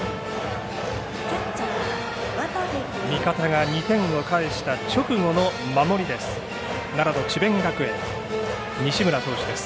味方が２点を返した直後の守りです。